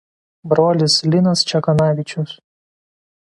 Brolis Linas Čekanavičius.